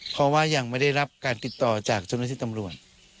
เพราะว่ายังไม่ได้รับการติดต่อจากเจ้าหน้าที่ตำรวจ